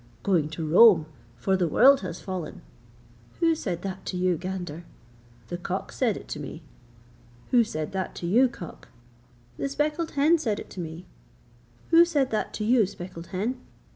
'Going to Rome, for the world has fallen.' 'Who said that to you, gander?' 'The cock said it to me.' 'Who said that to you, cock?' 'The speckled hen said it to me.' 'Who said that to you, speckled hen?'